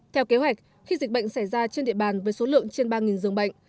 theo kế hoạch khi dịch bệnh xảy ra trên địa bàn với số lượng trên ba dường bệnh